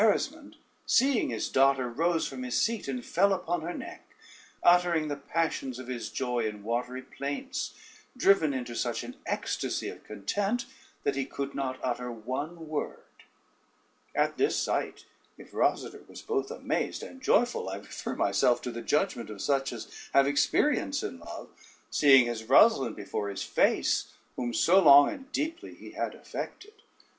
] Gerismond, seeing his daughter, rose from his seat and fell upon her neck, uttering the passions of his joy in watery plaints, driven into such an ecstasy of content, that he could not utter one word. At this sight, if Rosader was both amazed and joyful, I refer myself to the judgment of such as have experience in love, seeing his Rosalynde before his face whom so long and deeply he had affected.